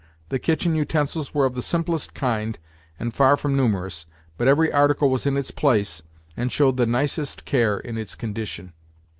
The kitchen utensils were of the simplest kind, and far from numerous, but every article was in its place, and showed the nicest care in its condition.